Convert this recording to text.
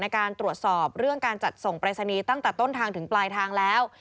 ในการตรวจสอบเรื่องการจัดส่งปรายศนีย์ตั้งแต่ต้นทางถึงปลายทางแล้ว